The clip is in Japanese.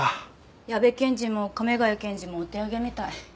矢部検事も亀ヶ谷検事もお手上げみたい。